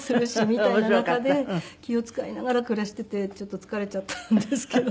みたいな中で気を使いながら暮らしていてちょっと疲れちゃったんですけど。